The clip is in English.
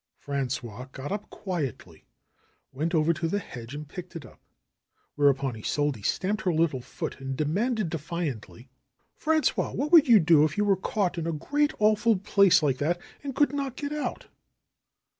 Frangois got up quietly, went over to the hedge and picked it up. Whereupon Isolde stamped her little foot and demanded defiantly: ^'Frangois, what would you do if you were caught in a great, awful palace like that and could not get out